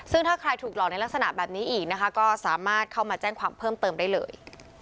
ซึ่งถ้าใครถูกหลอกในลักษณะแบบนี้อีกนะคะก็สามารถเข้ามาแจ้งความเพิ่มเติมได้เลย